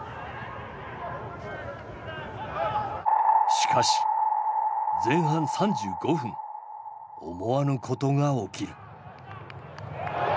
しかし前半３５分思わぬことが起きる。